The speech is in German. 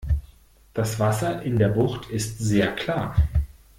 Das Wasser in der Bucht ist sehr klar.